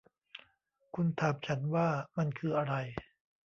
คุณถามฉันว่ามันคืออะไร